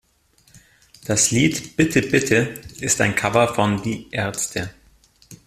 Das Lied "Bitte Bitte" ist ein Cover von Die Ärzte.